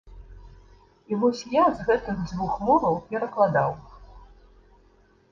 І вось я з гэтых дзвюх моваў перакладаў.